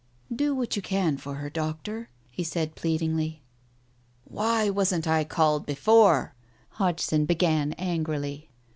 Do what you can for her, Doctor," he said pleadingly. "Why wasn't I called before?" Hodgson began angrily.